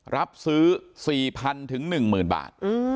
รับซื้อ๔๐๐๐๑๐๐บาท